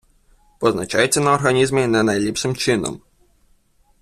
Позначається на організмі не найліпшим чином.